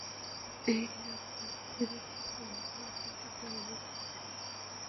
এই হীরকখন্ডে অনন্ত জীবনের জলাশয়ের নির্যাস আছে!